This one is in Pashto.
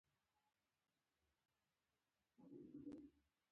د ګوهر شاد بیګم زیارت وکتل.